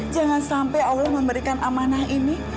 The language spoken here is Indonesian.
jangan sampai allah memberikan amanah ini